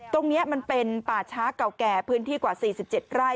ตรงนี้มันเป็นป่าช้าเก่าแก่พื้นที่กว่า๔๗ไร่